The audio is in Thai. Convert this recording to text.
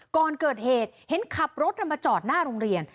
ก่อนเกิดเหตุเห็นขับรถมาจอดหน้าโรงเรียน